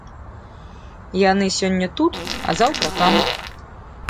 Яны сёння тут, а заўтра там.